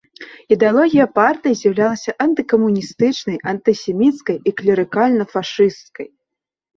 Ідэалогія партыі з'яўлялася антыкамуністычнай, антысеміцкай і клерыкальна-фашысцкай.